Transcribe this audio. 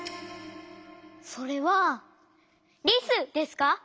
それはリスですか？